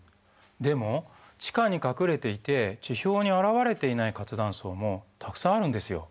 でも地下に隠れていて地表に現れていない活断層もたくさんあるんですよ。